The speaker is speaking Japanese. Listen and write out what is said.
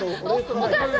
お母さん！